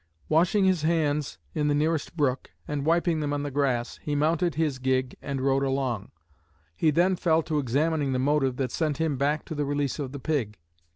Washing his hands in the nearest brook and wiping them on the grass, he mounted his gig and rode along. He then fell to examining the motive that sent him back to the release of the pig.